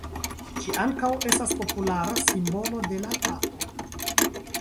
Ĝi ankaŭ estas populara simbolo de la papo.